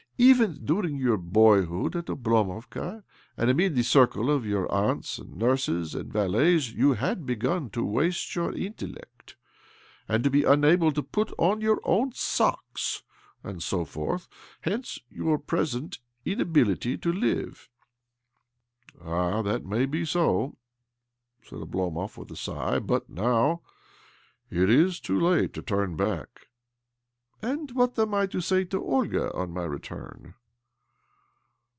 Even during your boyhood at Oblomovka, and amid the circle of your aunts and nurses and valets, you had begun to waste your intellect, and to be unable to put on your own socks, and so forth. Hence your present inability to live." " All that may be so," said Oblomov with OBLOMOV 241 a sigh ;" but now it is too late to turn back." " And what am I to say to Olga on my return?